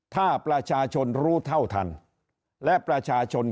ถ้าประชาชนรู้เท่าทันและประชาชน